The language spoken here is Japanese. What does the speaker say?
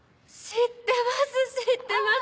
知ってます